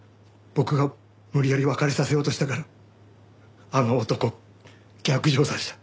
僕が無理やり別れさせようとしたからあの男を逆上させた。